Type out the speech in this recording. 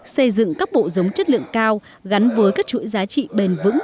xây dựng các bộ giống chất lượng cao gắn với các chuỗi giá trị bền vững